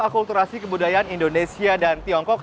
akulturasi kebudayaan indonesia dan tiongkok